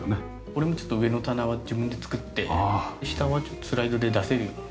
これもちょっと上の棚は自分で作って下はスライドで出せるように。